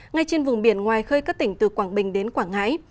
ngay trên vùng biển ngoài khơi các tỉnh từ quảng bình đến quảng ngãi